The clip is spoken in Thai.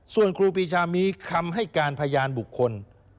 ส่วนครูปีชามีคำให้การพยานบุคคล